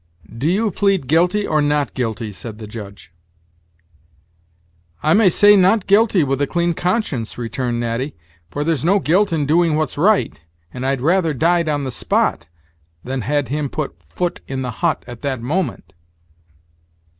"Do you plead guilty or not guilty?" said the Judge. "I may say not guilty, with a clean conscience," returned Natty; "for there's no guilt in doing what's right; and I'd rather died on the spot, than had him put foot in the hut at that moment."